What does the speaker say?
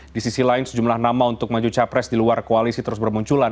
di sisi lain sejumlah nama untuk maju capres di luar koalisi terus bermunculan